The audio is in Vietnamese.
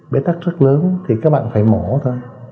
bế tắc rất lớn thì các bạn phải mổ thôi